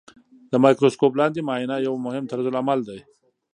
د مایکروسکوپ لاندې معاینه یو مهم طرزالعمل دی.